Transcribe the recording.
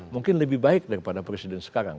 mungkin lebih baik daripada presiden sekarang